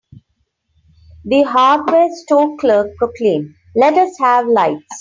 The hardware store clerk proclaimed, "Let us have lights!"